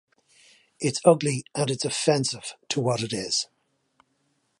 It's ugly and it's offensive to what it is.